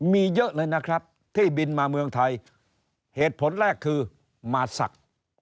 มีเยอะเลยนะครับที่บินมาเมืองไทยเหตุผลแรกคือมาศักดิ์